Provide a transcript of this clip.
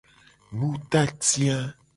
Nutati a.